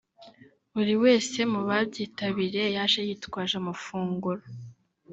Buri wese mu babyitabiriye yaje yitwaje amafunguro